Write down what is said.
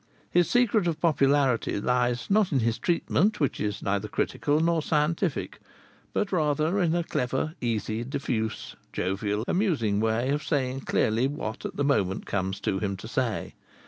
His secret of popularity lies not in his treatment, which is neither critical nor scientific, but rather in a clever, easy, diffuse, jovial, amusing way of saying clearly what at the moment comes to him to say.